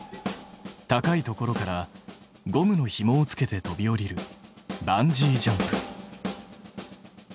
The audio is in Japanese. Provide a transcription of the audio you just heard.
高い所からゴムのひもをつけて飛び降りるバンジージャンプ。